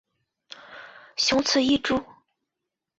雄雌异株。